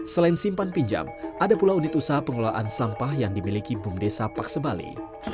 selain simpan pinjam ada pula unit usaha pengelolaan sampah yang dimiliki bum desa paksebali